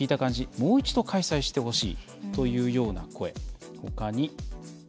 もう一度開催してほしいというような声。